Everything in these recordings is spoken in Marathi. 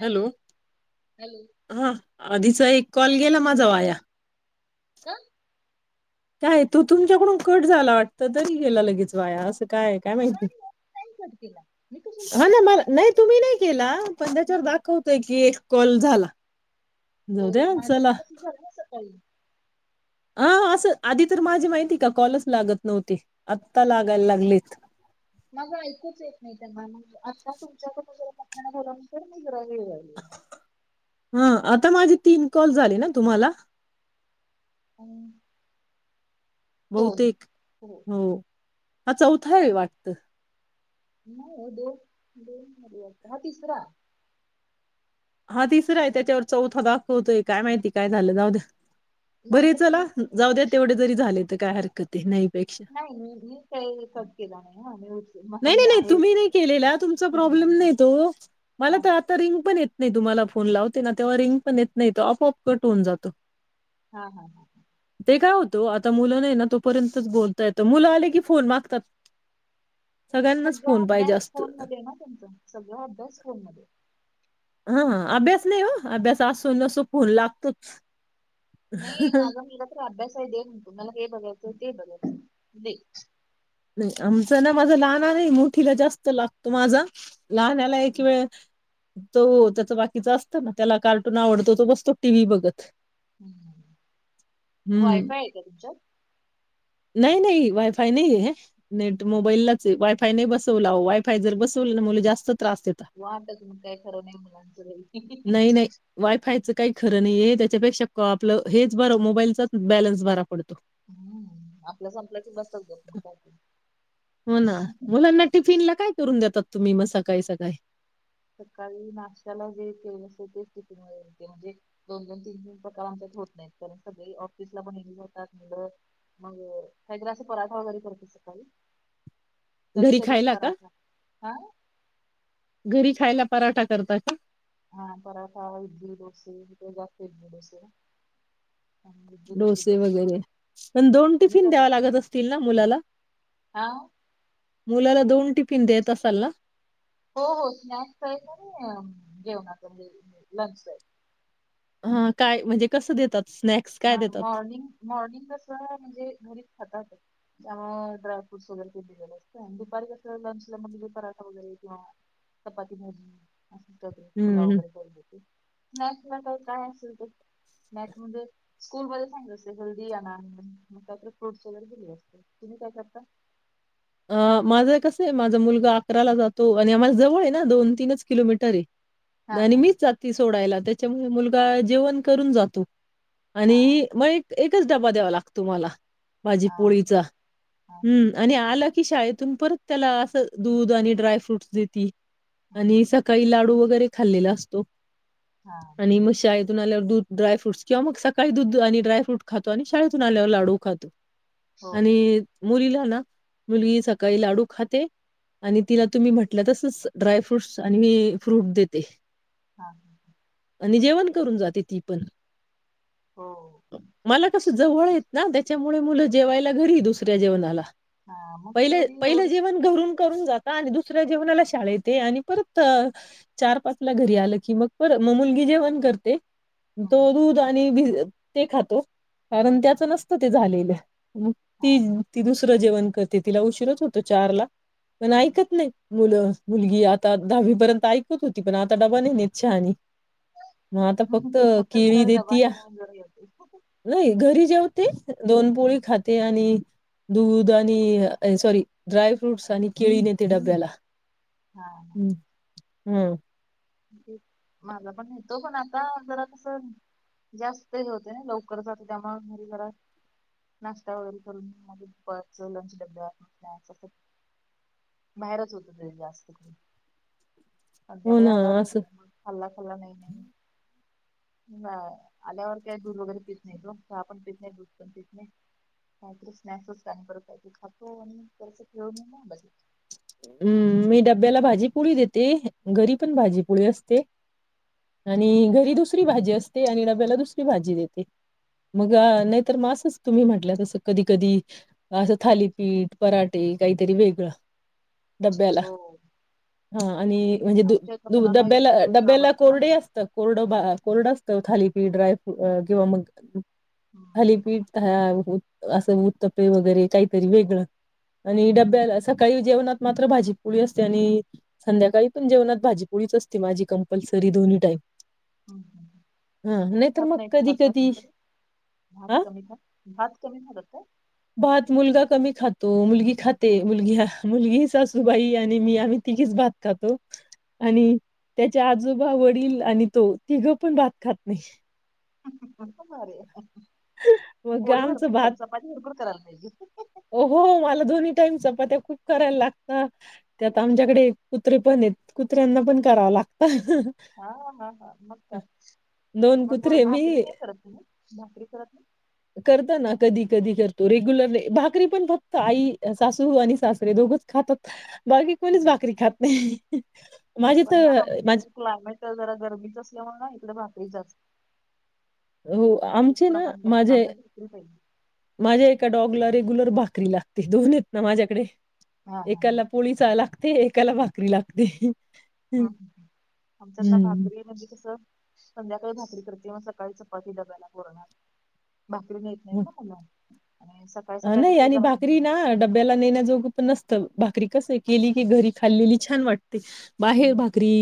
हॅलो हॅलो हा आधीचा एक कॉल गेला माझा वाया. का काय तो तुमच्याकडून कट झाला वाटत तरी गेला लगेच वाया असं. काय काय माहिती नाही नाही कट केला मी कशाला हा कट ना करेन मला नाही तुम्ही नाही केला. पण हा त्याच्यावर दाखवतोय की एक कॉल झाला. हो जाऊ द्या माझं तर चला कस झारला सकाळी. हा असं आधी तर माझी माहिती का कॉलच लागत नव्हती आत्ता लागायला लागलीत. मग ऐकूच येत नाही त्यांना मग आता तुमच्याकडून ज घरानंतर मी जरा वेळ. हा आता माझे तीन कॉल झाले ना तुम्हाला. हो. बहुतेक हो हा चौथा आहे वाटतं. न तसरा हा तिसरा आहे त्याच्यावर चौथा दाखवतोय काय माहिती काय झालं जाऊद्या बर माझं पण चला एक मिनिट. जाऊ द्या तेवढे जरी झाले तर काय हरकत आहे नाहीपेक्षा नाही मी काहीच केला नाही मला नाही नाही मी नाही आहे तुम्ही नाही केलेला तुमचा हा हा प्रॉब्लेम नाही तो मला हा तर आ ता रिंग पण येत नाही तुम्हाला फोन लावते ना तेव्हा रिंग पण येत नाही ऑफ ऑफ कट होऊन जातो हा हा हा ते काय होतो आता मुलं नाही ना तोपर्यंतच बोलता येतं मुलं आले की फोन मागतात सगळ्यांनाच सगळ्या फोन पाहिजे बेस्ट असतो. फोन मध्ये ना तुमच सगळ्या बेस्ट फोन मध्ये हा अभ्यास नाही हो अभ्यास असून सुोपवून लागतोच नाही माझा मुला तर अभ्यास आहे दे म्हण तु मला हे बघायचंय ते बघायचं दे नाही आमचं ना माझा लहना नाही मोठीला जास्त लागतो माझा लहानाला एक वेळ तो त्याच बाकीच असतं ना त्याला कार्टून आवडतो तो बसतो टीव्ही बघत हम्म. वायफाय आहे का तुमचं नाही नाही वायफाय नाही नेट मोबाईल ला वायफाय नाही बसवला वायफाय जर बसव ना मु जास्त त्रास देतात आता तुम्ही काय खर नाही मुलांचं राईल नाही नाही वायफायचं काही खरं नाही हे त्याच्यापेक्षा क आपलं हेच बरं मोबाईलचाच बॅलन्स बरा पडतो हम् आपल्या संपलं की बसतात ग हो ना मुलांना टिफिन ला काय करून देतात तुम्ही मग सकाळी सकाळी सकाळी नाश्याला जे तेल असते ते तितीमुळे य म्हणजे दोन दोन तीन तन प्रकार आमच्यात होत नाहीत कारण सगळे ऑफिसला पणले जात म्हलं मग काग्र अस पराठा वगैरे करतो शकाल [inaudible] घरी खायला का हा घरी खायला पराठा करता का हा पराठ एकी दोस जास्ती एकेत दडोस डोसे वगैरे पण दोन तुम्ही टिफिन काय द्यावा करता लागत असतील ना मुलाला हा मुलाला दोन टिफिन देत असाल ना हो हो स्नॅक्स आहे आणि घेऊन आता लंचचा आहे हा काय म्हणजे कसं देतात स्नॅक् हा मॉर्निंग मॉर्निंगला स म्हणजे घरीच खातात त्यामुळे ड्रायफ्रूट्स वगैरे केेेले असते आणि दुपारी असल्या लंचला म्हणे पराठा वगैरे किंवा चपात भाज अस कध फुला हं, वगैरे करून देते मॅथला काही काय असेल तेॅथ म स्कूलमध्येध्ये सांगलं असते हेल्दी येणार मगत फ्रूटस वगैरे दिले असते तुम्ही काय करता अ माझं कस आहे माझा मुलगा अकराला जातो आणि आम्हाला जवळ आहे ना दोन तीनच किलोमीटर आहे हा आणि हा मीच जाती सोडायला त्याच्यामुळे मुलगा जेवण करून जातो हा आणि मग एक एकच डबा द्यावा लागतो मला माझी हा पोळीचा हा हा हम्म आणि आलं की शाळेतून परत त्याला असं दूध आणि ड्राय फ्रूट्स देते. हा हा आणि सकाळी लाडू वगैरे खाल्लेला असतो हा. आणि मग शाळ. ून आल्या दू ड्रायफ्रट किंवा मग सकाळी दूध आणि ड्राय्रूट खातो आणि शाळेतून आल्यावर लाडू खातो. हो हो आणि मुलीला ना मुलगी सकाळी लाडू खाते. आणि तिला तुम्ही म्हटल्या तसच ड्राय फ्रूट्स आणि मी फ्रूट देते. हा ह. आणि जेवण करून जाते ती पण हो. मला कसं जवळ येत ना त्याच्यामुळे मुलं जेवायला घरी दुसऱ्या जेवणाला हा मग पहिले तेवढी पहिलं एवढी जेवण घरून करून जाता आणि दुसऱ्या जेवणाला शाळा येते आणि परत चार पाच ला घरी आलं की मग मग मुलगी जेवण करते. हं तो दूध आणिते खातो कारण हं त्याच नसतं ते झालेलं. मग हा ती हा ती दुसरं जेवण करते तिला उशीरत होतो चारला पण हं ऐकत नाही. मुलं मुलगी आता दहावी पर्यंत ऐकत होती पण आता डबा नाही नेत शहानी मता फक्त मोठं केळी घराला डबा देती या. घेऊन जरा येते नाही घरी जेवते दोन पोळी खाते आणि दूध आणि सॉरी ड्राय फ्रुट्स आणि केळी नेते डब्याला हा हम्म. मला पण येतो पण आता जरा कस जास्त हे होते ना लवकर जात त्यामळे घरी घर नाश्ता वगैरे करून माझ लंच डब्यावर बाहेरच होत तरी जास्त हो संध्याकाळी ना आल्यावर. असं झोपतो खाल्ला खाल्ला नाही नाही. नाही आल्यावर काय दूध वगैरे पीत नाही तो चहा पण पीत नाही दूध पण पीत नाही. काहीतरी स्नॅक्सच का करतही ते खातो आणि त्याच ठेऊून ना बज हम्म मी डब्याला भाजीपोळी देते घरी पण भाजीपोळी असते. आणि घरी दुसरी भाजी असते आणि डब्याला दुसरी भाजी देते. मग नाहीतर मासच तुम्ही म्हटलं तसं कधी कधी असं थालीपीठ पराठे काहीतरी वेगळं. डबब्याला हो हा आणि म्हणजे द आमच्या इथ मुलांना डबब्याला इडली डोसा डब्याला आवडतो ना. कोरडे असत. कोरडं कोरडं असतं थालीपीठ ड्रायफ्रूट किंवा मग हम्म थालीपीठ असं उत्तपे वगैरे काहीतरी वेगळं आणि हम्म डब्याला स सकाळी जेवणात मात्र भाजीपोळी असते आणि संध्याकाळी पण जेवणात भाजीपोळीच असते माझी कंपल्सरी दोन्ही टाईम. हा नाही तर खात मग नाहीत कधी कधी सर भात हा कमी झा भात कमी झालंत का? भात मुलगा कमी खातो मुलगी खाते मुलगी मुलगीच सासू बाई आणि मी आम्ही तीघीच भात खातो. आणि त्याचे आजोबा वडील आणि तो तिघं पण भात खात नाही. रे मग पोळी आमचं भरपूर भात चपाती भरपूर करायला पाहिजे. हो हो मला दोन्ही टाईम चपात्या खूप करायला लागता. त्यात आमच्याकडे कुत्रे पण आहेत कुत्र्यांना पण कराव लागत. हा हा हा मग काय दोन मग कुत्रे मी भाकरी नाही करत तुम्ही भाकरी करत ना. करत ना कधी कधी करतो रेग्युलरली भाकरी पण फक्त आई सासू आणि सासरे दोघच खातात. बाकी कोणीच हम्म. भाकरी खात नाही माझी पण ना तर आमच्या मा इकडे क्लायमेट जरा गरमीच असल्यामुळे ना इकड भााकरीच असते. हो भाकरीचं आमचे ना प्रमाण जास्त माझे आमच्यात भाकरी पाहिजे. माझ्या एका डॉगला रेगुलर भाकरी लागते दोन आहेत ना माझ्याकडे हा एकाला पोळीचा लागते एकाला भाकरी लागते. ह आमच्यातना हम्म भाकरी म्हणजे कसं संध्याकाळी भाकरी करते म सकाळी चपाती डब्याला पोरांना भाकरी न नाही ना मला आणि सकाळ अ, सकाळ तर नाही ते आणि जात नाही. भाकरी ना डब्याला नेण्याजोग पण नसत भाकरी कस केली की घरी खाल्लेली छान वाटते. बाहेर हम्म. भाकरी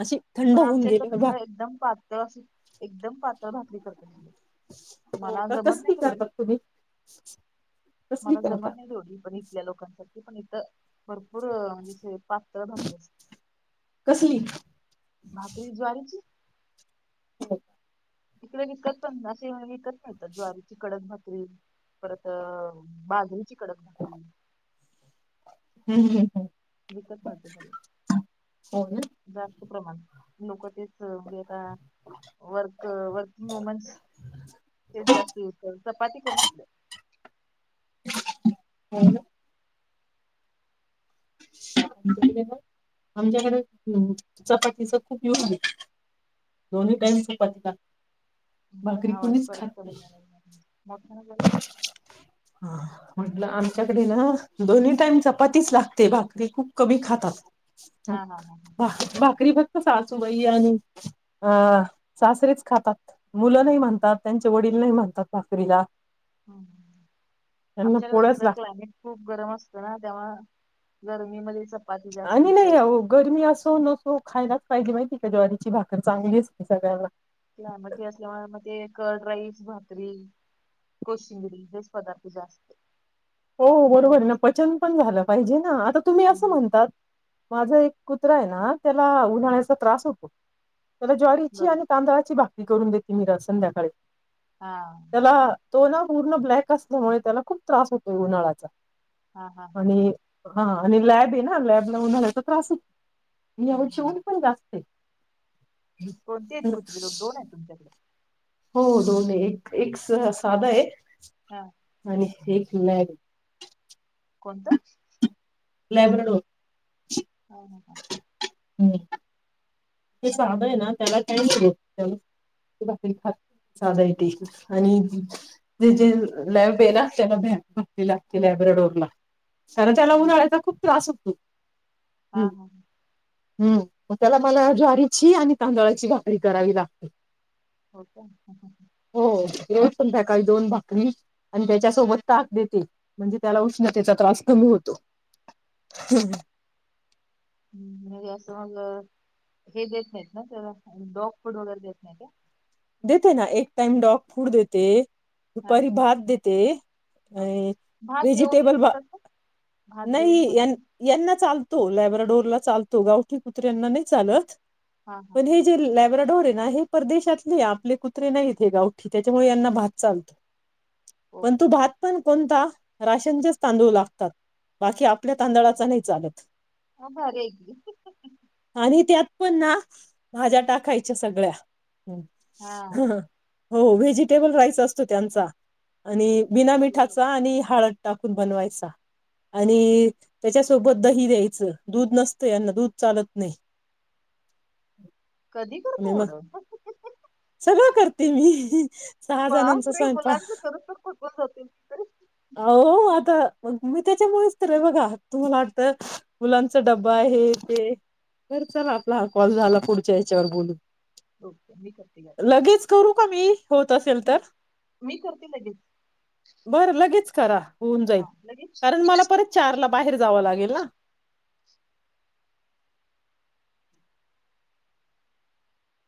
असे थंड पण होऊन आमच्या गेले इकडं बाबा. कसं एकदम पा तर अ एकदम पातळ भाातली करते म्हणे. हो का कसली करतात तुम्ही. कसली मला करता? जमत नाही जडीली पण इथल्या लोकांसाठी पण इथ भरपूर. इथे पातळ भाकरी असते कसली? भाकरी ज्वारीची. हो तिकडे विकत पण नाव विकत नाहीत ज्वारीची कडक भात्री परत मांजरीची कडक घातली. हम् ह हम. विकत मिते झाले हो ना, जास्त प्रमाण लोक. वगैर वर्क वर्किंग मुमेंट्स तेच जास्त होत चपाती कमीेतलं हो आमच्याकडे चपातीच खूप युग आहे दोन्ही टाम्सपात का ह् आवाज परत क [inaudible] ह म्हटलं आमच्याकडे ना दोन्ही टाइम चपातीच लागते भाकरी खूप कमी खातात हा हा हा बा भाकरी फक् सासूबाई आणि अ सासरेच खातात मुलं हा नाही हा. म्हणतात त्यांच्या वडील नाही म्हणतात भाकरीला ह त्यांना आमच्याकडे कस पोळ्याच लागतात सकलं खूप गरम असतं ना तेव्हा गरमीमध्ये चपाती जास्त आणि नाही इथं अह गरमी असं न हो खायलाच पाहिजे माहिती का ज्वारीची भाकरर चांगली असती सगळ्यांना लामध्ये असल्यामुळे म ते कर्ड राईस भाकरी कोशिंगरी हेच पदार्थ जास्त हो बरोबर गरमी आहे ना असल्यामुळे पचन पण झालं पाहिजे ना आता तुम्ही असं हम्म म्हणतात माझा एक कुत्रा आहे ना त्याला उन्हाळ्याचा त्रास होतो त्याला ज्वारीची बरं आणि तांदळाची भाकरी करून देते मी र संध्याकाळी हा त्याला तो ना पूर्ण ब्लॅक असल्यामुळे त्याला खूप त्रास होतोय उन्हाळा्याचा हा हा हा आणि हा आणि लॅब आहे ना लॅब ला उन्हालाचा त्रास आहे मी एवढ हम्म शेवन पण जास्त कोणते आहेत तर कुते लो दोन आहे तुमकडे हो दोन आहे एक एक साधा आहे हा आणि ह चल आहे कोणतं लायब्रेड हो हो का ते साध आहे ना त्याला ट त्या ते भाकरी खात साधा येते आणि ज जे लॅब येेला त्यानाला क लॅब्रे डोरला खरं त्याला हम्म. उन्हाळ्याचा खूप त्रास होतो हा हम्म हा हम्म त्याला मला ज्वारीची आणि तांदळाची भाकरी करावी लागते हो का हो रोज पण त्या्या काळी दोन भाकणी आणि त्याच्यासोबत ताक देतील म्हणजे त्याला उष्णतेचा त्रास कमी होतो हम्म ह् म्हणजे असं मग हे देत नाहीत ना डॉग फूड वगैरे देत नाहीत का देते ना एक टाइम डॉग फूड देते हा दुपारी हा भात देत हा अ हा. वेजिटेबल हात देऊन म्हझ यांना चालतो लबरडोरीला चालतो गावठी कुत्र्यांना नाही चालत हा हा हा. पण हे बराडोरे ना आहे परदेशात आपले कुत्रे नाहीत हे गावठी त्याच्यामुळे यांना भात चालतो पण ओके. तू भात पण कोणता राशनचेच तांदू लाग बाकी आपल्या तांदळाचा नाही चालत हा भारी आहे की आणि त्यात पण ना भाज्या टाकायच्या सगळ्या हा ह हो व्हेजिटेबल राईस असतो त्यांचा आणि बिना भारी आहे. मिठाचा आणि हळद टाकून बनवायचा आणि त्याच्यासोबत दही द्यायचं दूध नसतं यांना दूध चालत नाही [inaudible] कधी आणि करता मग एवढं सगळं करते मी सहा जणांचा बापरे स्वयंपाक मुलांच करून तर थकून जातील. हो आता मग मी त्याच्यामुळेचत र आहे बघा तुम्हाला वाटतं मुलांचा डब्बा आहे ते बरं चला आपला हा कॉल झाला पुढच्या याच्यावर बोलून ओके मी करते का लगेच करू का मी होत असेल तर मी करते लगेच बर लगेच करा होऊन जाईल हा लगेच कारण इथेच मला परत चार ला बाहेर जावं लागेल ना